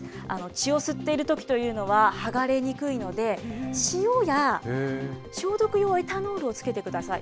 血を吸っているときというのは、剥がれにくいので、塩や消毒用エタノールをつけてください。